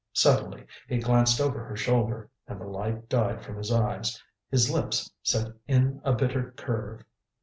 Suddenly he glanced over her shoulder, and the light died from his eyes. His lips set in a bitter curve.